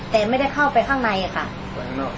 แต่ไม่ได้เข้าไปข้างในค่ะข้างนอก